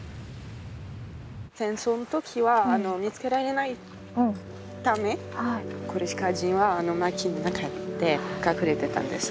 戦争の時は見つけられないためコルシカ人はマキの中で隠れてたんです。